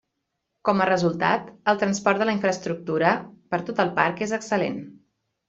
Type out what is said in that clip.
Com a resultat, el transport de la infraestructura per tot el parc és excel·lent.